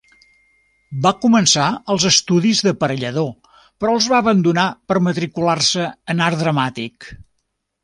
Va començar els estudis d'Aparellador, però els va abandonar per matricular-se en Art Dramàtic.